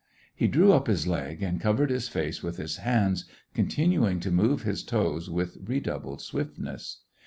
He drew up his leg, and covered his face with his hands, continuing to move his toes with re doubled swiftness.